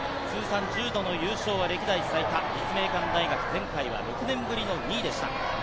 １０度の優勝へ、歴代最多、立命館大学、前回は６年ぶりの２位でした。